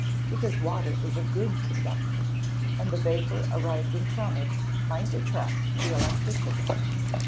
_ Because water is a good conductor, and the vapour arising from it might attract the electricity.